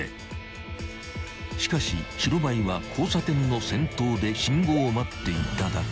［しかし白バイは交差点の先頭で信号を待っていただけ］